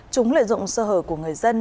chúng lợi dụng sơ hở của người dân